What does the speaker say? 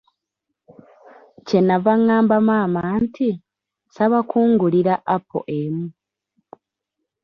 Kye nnava ngamba maama nti, nsaba kungulira apo emu.